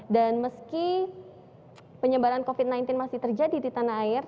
dan meski penyebaran covid sembilan belas masih terjadi di tanah air